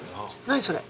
何それ？